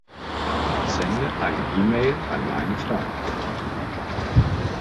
Sende eine E-Mail an meine Frau.